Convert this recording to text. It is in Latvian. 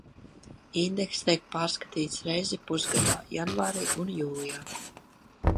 Indekss tiek pārskatīts reizi pusgadā – janvārī un jūlijā.